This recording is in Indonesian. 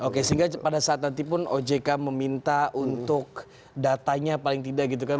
oke sehingga pada saat nanti pun ojk meminta untuk datanya paling tidak gitu kan